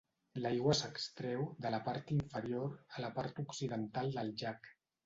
L'aigua s'extreu de la part inferior a la part occidental del llac.